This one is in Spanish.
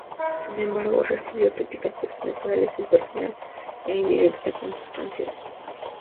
Sin embargo, recibió críticas por su naturaleza impersonal e indirecta en sus canciones.